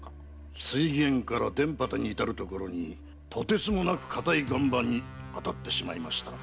〔水源から田畑に至る所でとてつもなく固い岩盤に当たってしまいました。